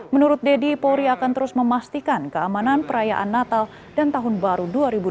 menurut deddy polri akan terus memastikan keamanan perayaan natal dan tahun baru dua ribu dua puluh